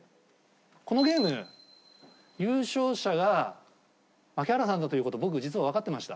このゲーム優勝者が槙原さんだという事僕実はわかってました。